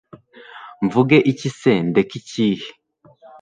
mvuge iki se ndeke ikihe